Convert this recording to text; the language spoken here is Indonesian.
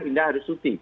indah harus suci